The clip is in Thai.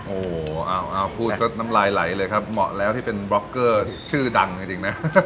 โอ้โหเอาพูดซะน้ำลายไหลเลยครับเหมาะแล้วที่เป็นบล็อกเกอร์ชื่อดังจริงนะ